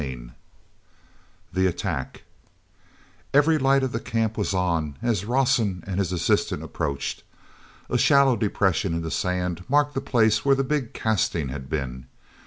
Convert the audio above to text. CHAPTER V The Attack very light of the camp was on as Rawson and his assistant approached. A shallow depression in the sand marked the place where the big casting had been.